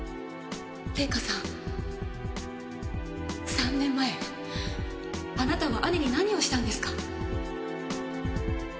３年前あなたは兄に何をしたんですか？